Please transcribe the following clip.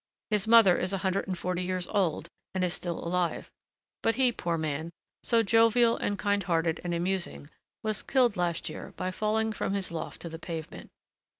His mother is a hundred and forty years old and is still alive. But he, poor man, so jovial and kind hearted and amusing, was killed last year by falling from his loft to the pavement.